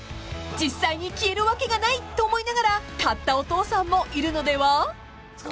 ［実際に消えるわけがないと思いながら買ったお父さんもいるのでは？］